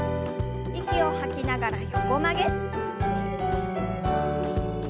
息を吐きながら横曲げ。